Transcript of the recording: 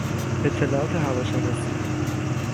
اطلاعات هواشناسی